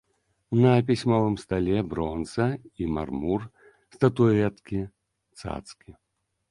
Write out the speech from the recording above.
На пісьмовым стале бронза і мармур, статуэткі, цацкі.